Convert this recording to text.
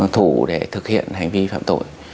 thủ để thực hiện hành vi phạm tội